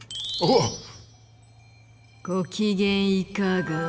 ご機嫌いかが？